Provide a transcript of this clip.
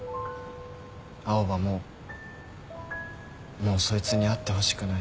青羽ももうそいつに会ってほしくない。